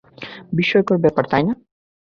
বিস্ময়কর ব্যাপার, তাই না?